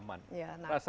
tergantung dari rasa aman